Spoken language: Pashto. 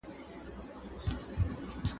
چي مور لرې ادکه، په ښه کور به دي واده که.